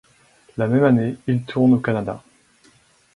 La même année, ils tournent au Canada.